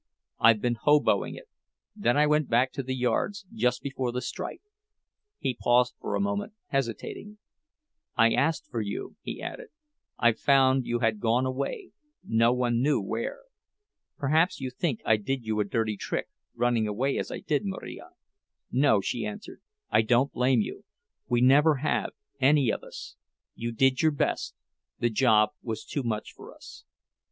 I've been hoboing it. Then I went back to the yards—just before the strike." He paused for a moment, hesitating. "I asked for you," he added. "I found you had gone away, no one knew where. Perhaps you think I did you a dirty trick running away as I did, Marija—" "No," she answered, "I don't blame you. We never have—any of us. You did your best—the job was too much for us."